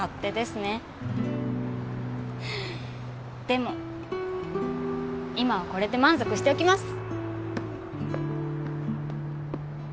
でも今はこれで満足しておきます。